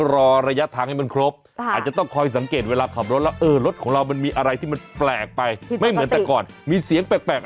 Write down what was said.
รถคุณมีเสียงแปลกอะไรไหมครับมีครับก็มีเสียงแปลก